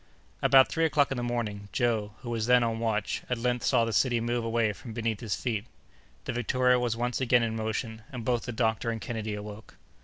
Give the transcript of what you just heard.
About three o'clock in the morning, Joe, who was then on watch, at length saw the city move away from beneath his feet. The Victoria was once again in motion, and both the doctor and Kennedy awoke.